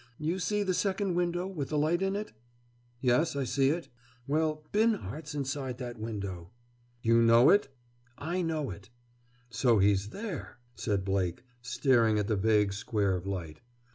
You see the second window with the light in it?" "Yes, I see it." "Well, Binhart's inside that window." "You know it?" "I know it." "So he's there?" said Blake, staring at the vague square of light.